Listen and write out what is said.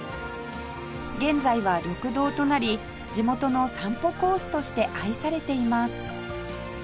現在は緑道となり地元の散歩コースとして愛されています